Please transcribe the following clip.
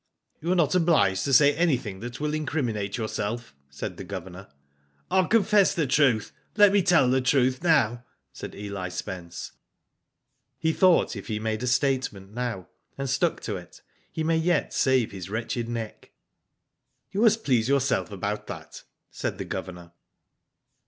''You are not obliged to siy anything that will incriminate yourself," said the Governor. "Fll confess the truth. Let me tell the truth now," said Eli Spence. He thought if he made a statement now, and stuck to it, he might yet save his wretched neck. " You must please yourself about that," said the Governor.